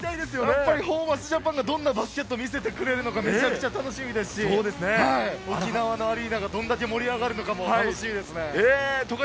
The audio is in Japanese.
やっぱりホーバスＪＡＰＡＮがどんなバスケットを見せてくれるのか、めちゃめちゃ楽しみですし、沖縄アリーナがどんだけ盛り上がるのかも楽しみですね。